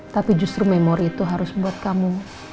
tapi justru memori itu harus buat kamu